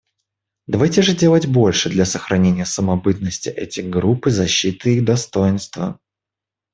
Давайте же делать больше для сохранения самобытности этих групп и защиты их достоинства.